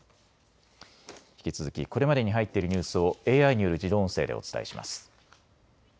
引き続きこれまでに入っているニュースをＡＩによる自動音声でお伝えします。